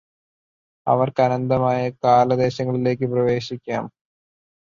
അവര്ക്ക് അനന്തമായ കാലദേശങ്ങളിലേയ്ക് പ്രവേശിക്കാം